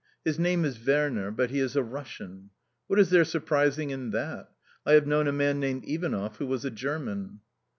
His name is Werner, but he is a Russian. What is there surprising in that? I have known a man named Ivanov, who was a German.